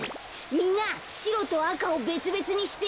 みんなしろとあかをべつべつにして！